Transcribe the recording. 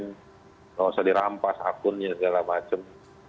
tidak usah dirampas akunnya segala macam